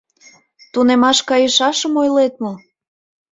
Тунемаш кайышашым ойлет мо?